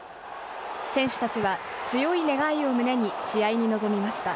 選手たちは強い願いを胸に、試合に臨みました。